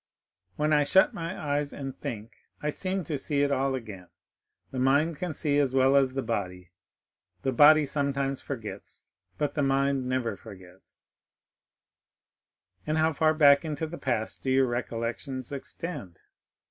"When I shut my eyes and think, I seem to see it all again. The mind can see as well as the body. The body forgets sometimes; but the mind always remembers." "And how far back into the past do your recollections extend?"